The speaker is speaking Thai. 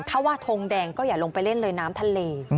ถ้าว่าทงแดงก็อย่าลงไปเล่นเลยน้ำทะเล